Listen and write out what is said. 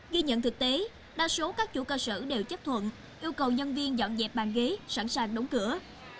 ghi nhận thực tế đa số các chủ cơ sở đều chấp thuận yêu cầu nhân viên dọn dẹp bàn ghế sẵn sàng đóng cửa